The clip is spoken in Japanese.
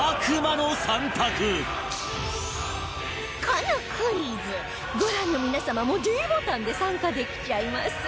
このクイズご覧の皆様も ｄ ボタンで参加できちゃいます